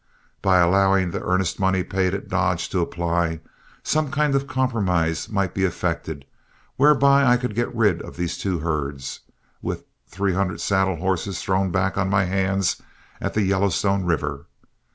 By allowing the earnest money paid at Dodge to apply, some kind of a compromise might be effected, whereby I could get rid of two of these herds, with three hundred saddle horses thrown back on my hands at the Yellowstone River.